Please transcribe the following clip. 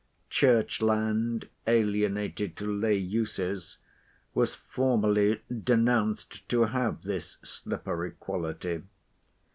Church land, alienated to lay uses, was formerly denounced to have this slippery quality.